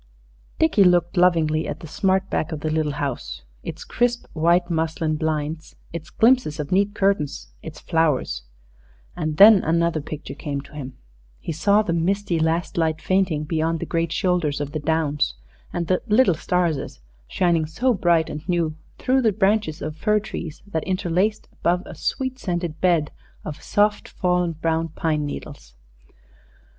Dickie looked lovingly at the smart back of the little house its crisp white muslin blinds, its glimpses of neat curtains, its flowers; and then another picture came to him he saw the misty last light fainting beyond the great shoulders of the downs, and the "little starses" shining so bright and new through the branches of fir trees that interlaced above, a sweet scented bed of soft fallen brown pine needles.